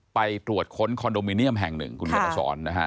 ไปตรวจค้นคอนโดมิเนียมแห่งหนึ่งคุณเขียนมาสอนนะฮะ